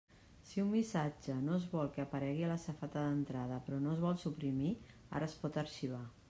Si un missatge no es vol que aparegui a la safata d'entrada però no es vol suprimir, ara es pot arxivar.